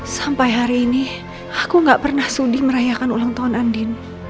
sampai hari ini aku gak pernah sedih merayakan ulang tahun andin